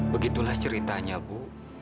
begitulah ceritanya bu